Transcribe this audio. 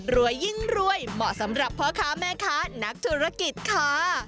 ยิ่งรวยเหมาะสำหรับพ่อค้าแม่ค้านักธุรกิจค่ะ